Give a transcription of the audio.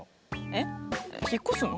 えっ引っ越すの？